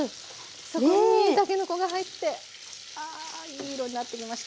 そこにたけのこが入ってああいい色になってきましたね。